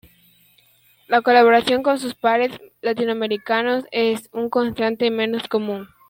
La colaboración con sus pares latinoamericanos es, en contraste, menos común.